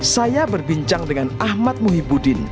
saya berbincang dengan ahmad muhyibudin